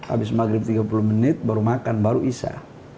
habis maghrib tiga puluh menit baru makan baru isa